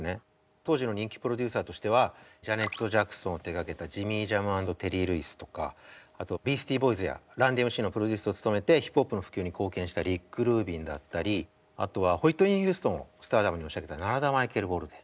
当時の人気プロデューサーとしてはジャネット・ジャクソンを手がけたジミー・ジャム＆テリー・ルイスとかあとビースティ・ボーイズやＲＵＮＤＭＣのプロデュースを務めてヒップホップの普及に貢献したリック・ルービンだったりあとはホイットニー・ヒューストンをスターダムに押し上げたナラダ・マイケル・ウォルデン。